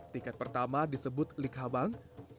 tingkat pertama disebut likhabang